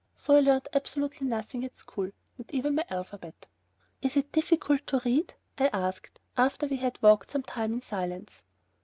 So I learnt absolutely nothing at school, not even my alphabet. "Is it difficult to read?" I asked, after we had walked some time in silence.